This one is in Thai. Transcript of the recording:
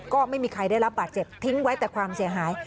ก็ไม่มีใครได้รับบาดเจ็บทิ้งไว้แต่ความเสียหาย